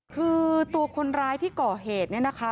คือตัวคนร้ายที่ก่อเหตุเนี่ยนะคะ